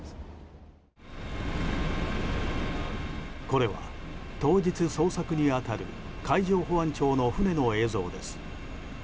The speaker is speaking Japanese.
これは当日捜索に当たる海上保安庁の船の映像です。